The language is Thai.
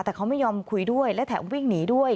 แต่เขาไม่ยอมคุยด้วยและแถมวิ่งหนีด้วย